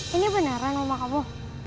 ini beneran rumah kamu